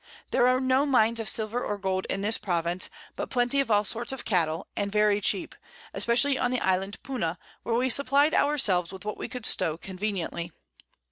There are no Mines of Silver or Gold in this Province, but Plenty of all sorts of Cattle, and very cheap, especially on the Island Puna, where we supply'd our selves with what we could stow conveniently.